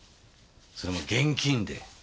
それも現金で。